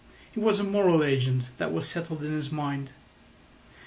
He was a moral agent—that was settled in his mind.